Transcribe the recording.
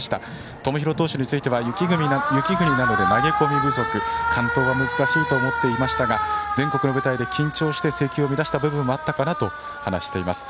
辻井投手に対しては雪国なので投げ込み不足完投は難しいと思っていましたが全国の舞台で緊張してた部分もあったかなと話しています。